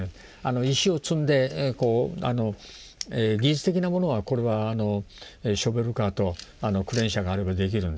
石を積んで技術的なものはこれはショベルカーとクレーン車があればできるんですね。